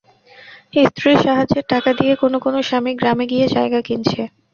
স্ত্রীর সাহায্যের টাকা দিয়ে কোনো কোনো স্বামী গ্রামে গিয়ে জায়গা কিনছে।